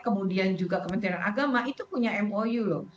kemudian juga kementerian agama itu punya mou loh